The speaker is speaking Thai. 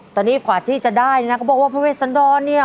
ตอนนี้กว่าที่จะได้นะก็บอกว่าพระเวชสันดรเนี่ย